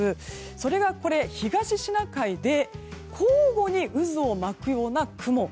それが東シナ海で交互に渦を巻くような雲。